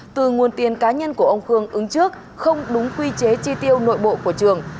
từ nguồn tiền cá nhân của ông khương ứng trước không đúng quy chế chi tiêu nội bộ của trường